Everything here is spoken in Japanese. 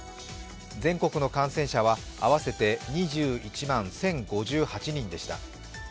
全国の感染者は合わせて２１万１０５８人でした。